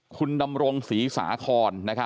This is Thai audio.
คุณดำรงศรีสาคอน